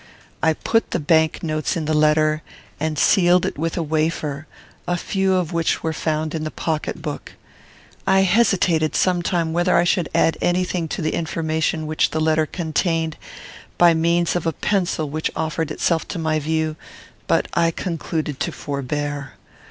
I put the bank notes in the letter, and sealed it with a wafer; a few of which were found in the pocket book. I hesitated some time whether I should add any thing to the information which the letter contained, by means of a pencil which offered itself to my view; but I concluded to forbear.